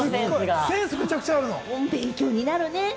勉強になるよね。